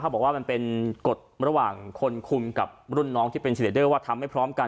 บอกว่ามันเป็นกฎระหว่างคนคุมกับรุ่นน้องที่เป็นเซเลเดอร์ว่าทำไม่พร้อมกัน